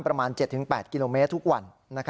ประมาณ๗๘กิโลเมตรทุกวัน